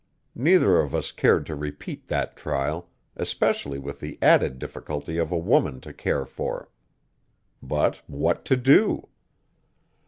Neither of us cared to repeat that trial, especially with the added difficulty of a woman to care for. But what to do?